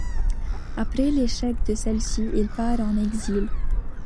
Après l'échec de celle-ci, il part en exil.